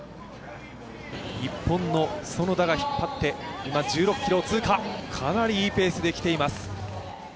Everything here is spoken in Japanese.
日本の園田が引っ張って、今１６ｋｍを通過、かなりいいペースできています。